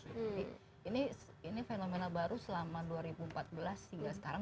jadi ini fenomena baru selama dua ribu empat belas hingga sekarang